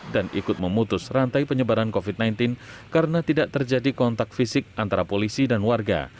dan ikut memutus rantai penyebaran covid sembilan belas karena tidak terjadi kontak fisik antara polisi dan warga